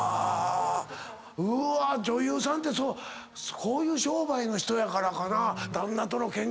うわ女優さんってそうこういう商売の人やからかな？